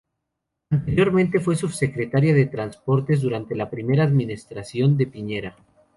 Anteriormente fue subsecretaria de Transportes durante la primera administración de Piñera.